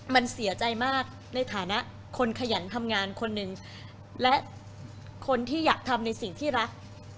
มันเสียใจมากในฐานะคนขยันทำงานคนหนึ่งและคนที่อยากทำในสิ่งที่รัก